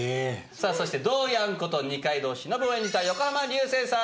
そしてどーやんこと二階堂忍を演じた横浜流星さん。